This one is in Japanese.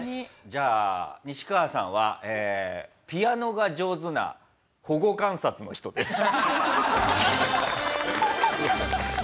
じゃあニシカワさんはピアノが上手な保護観察の人です。